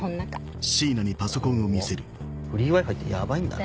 怖っフリーＷｉ−Ｆｉってヤバいんだな。